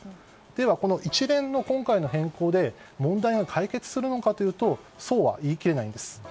では、この一連の今回の変更で問題が解決するのかというとそうは言い切れないんです。